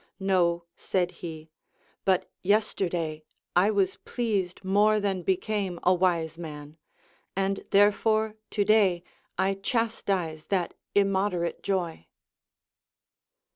No, said he, but yesterday I Avas pleased more than became a wise man, and therefore to day I chastise that immoderate joy.